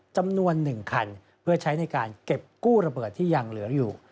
จำนวน๑คันเพื่อใช้ในการเก็บกู้ระเบิดที่ยังเหลืออยู่